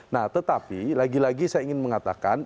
nah tetapi lagi lagi saya ingin mengatakan